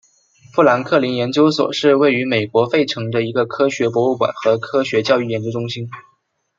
富兰克林研究所是位于美国费城的一个科学博物馆和科学教育研究中心。